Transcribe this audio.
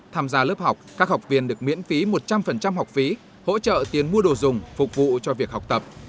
tham gia lớp học các học viên được miễn phí một trăm linh học phí hỗ trợ tiền mua đồ dùng phục vụ cho việc học tập